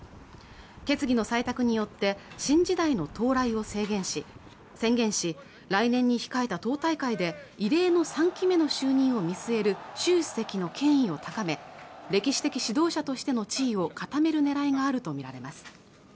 決議の採択によって新時代の到来を宣言し来年に控えた党大会で異例の３期目の就任を見据える習主席の権威を高め歴史的指導者としての地位を固めるねらいがあると見られます